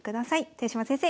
豊島先生